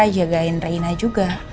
jagain reina juga